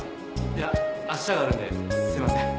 いや明日があるんですいません。